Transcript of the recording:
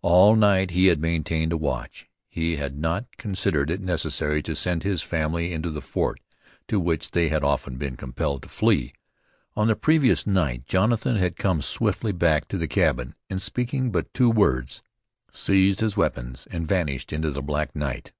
All night he had maintained a watch. He had not considered it necessary to send his family into the fort, to which they had often been compelled to flee. On the previous night Jonathan had come swiftly back to the cabin, and, speaking but two words, seized his weapons and vanished into the black night.